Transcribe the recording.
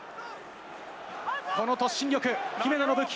この突進力、姫野の武器。